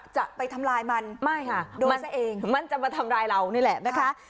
จะไปทำลายมันไม่ค่ะดูมันซะเองมันจะมาทำร้ายเรานี่แหละนะคะ